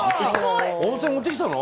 温泉持ってきたの？